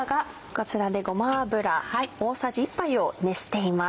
こちらでごま油大さじ１杯を熱しています。